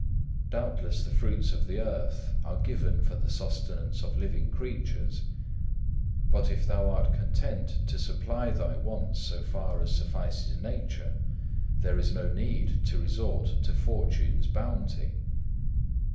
Doubtless the fruits of the earth are given for the sustenance of living creatures. But if thou art content to supply thy wants so far as suffices nature, there is no need to resort to fortune's bounty.